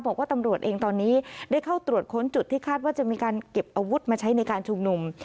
บอกว่าตำรวจเองตอนนี้ได้เข้าตรวจค้นจุดที่คาดว่าจะมีการเก็บอาวุธมาใช้ในการชุมนุม